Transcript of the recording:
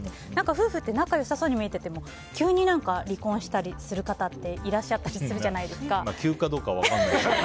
夫婦って仲良さそうに見えても急に離婚したりする方っていらっしゃったり急かどうかは分からないけど。